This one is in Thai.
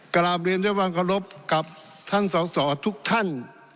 กราบเรียนด้วยวังกระลบกับท่านส่อทุกท่าน